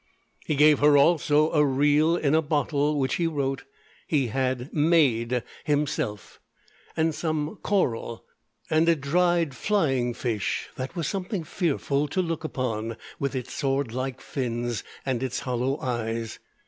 He gave her also a reel in a bottle, which, he wrote, he had "maid" himself, and some coral, and a dried flying fish that was something fearful to look upon, with its sword like fins and its hollow eyes.